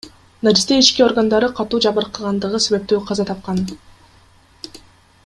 Наристе ички органдары катуу жабыркагандыгы себептүү каза тапкан.